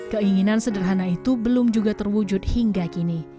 keinginan sederhana itu belum juga terwujud hingga kini